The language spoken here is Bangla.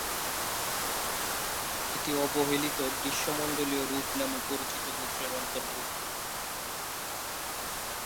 এটি অবহেলিত গ্রীষ্মমন্ডলীয় রোগ নামে পরিচিত গোত্রের অন্তর্ভুক্ত।